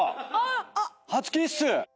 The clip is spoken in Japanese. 初キッス！